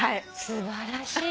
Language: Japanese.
素晴らしいわ。